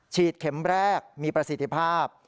เข็มแรกมีประสิทธิภาพ